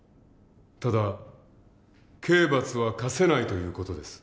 ただ刑罰は科せないという事です。